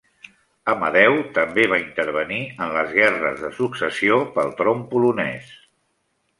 Amadeu també va intervenir en les guerres de successió pel tron polonès.